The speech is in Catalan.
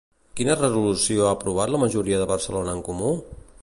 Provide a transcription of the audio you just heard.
Quina resolució ha aprovat la majoria de Barcelona en Comú?